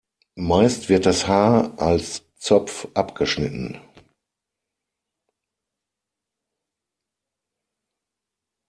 Meist wird das Haar als Zopf abgeschnitten.